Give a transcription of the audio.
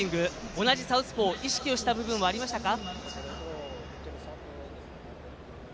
同じサウスポー意識をした部分はありましたか？